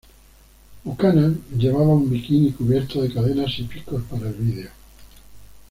Buchanan llevaba un bikini, cubierto de cadenas y picos, para el video.